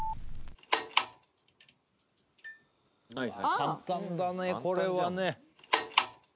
簡単だねこれはね。